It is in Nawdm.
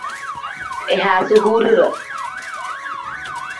I haasa huur ruu.